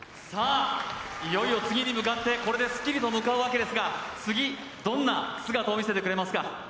いよいよ次に向かってこれですっきりと向かうわけですが次どんな姿を見せてくれますか。